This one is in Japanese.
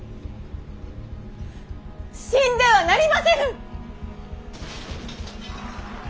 死んではなりませぬ！